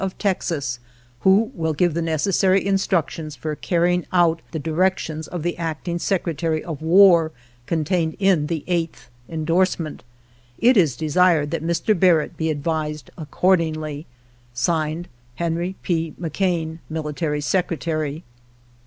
of Texas, who will give the necessary instructions for carrying out the directions of the Acting Secretary of War, contained in the 8th endorsement. It is desired that Mr. Barrett be advised accordingly. (Signed) Henry P. McCain, Military Secretary.